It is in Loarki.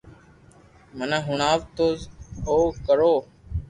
مني ھڻاوي تو او ڪرو